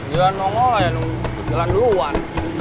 jalan mau ngelayan lho jalan luar